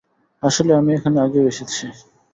আসলে, আমি এখানে আগেও এসেছি।